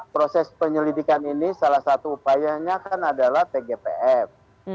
proses penyelidikan ini salah satu upayanya kan adalah tgpf